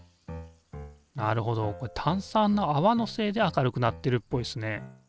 なるほどこれ炭酸のあわのせいで明るくなってるっぽいですね。